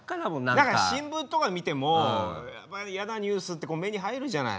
何か新聞とか見てもやっぱり嫌なニュースって目に入るじゃない。